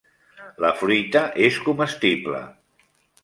La fruita és comestible.